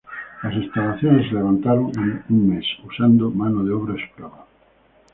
Las instalaciones se levantaron en un mes usando mano de obra esclava.